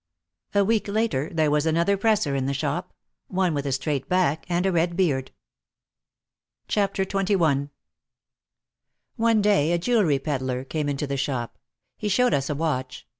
A week later there was another presser in the shop, one with a straight back and a red beard. OUT OF THE SHADOW 87 XXI One day a jewelry pedlar came into the shop. He showed us a watch.